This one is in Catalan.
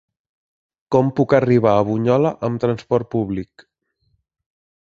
Com puc arribar a Bunyola amb transport públic?